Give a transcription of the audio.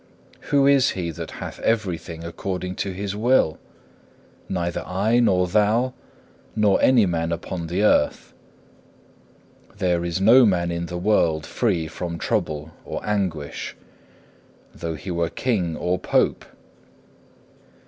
Who is he that hath everything according to his will? Neither I, nor thou, nor any man upon the earth. There is no man in the world free from trouble or anguish, though he were King or Pope.